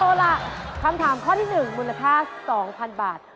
เอาล่ะคำถามข้อที่๑มูลค่า๒๐๐๐บาท